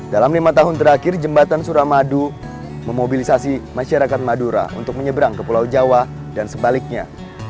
dalam lima tahun terakhir jembatan suramadu memobilisasi masyarakat madura untuk menyeberang ke pulau jawa dan sebaliknya